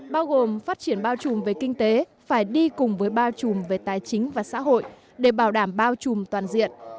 bao gồm phát triển bao trùm về kinh tế phải đi cùng với bao trùm về tài chính và xã hội để bảo đảm bao trùm toàn diện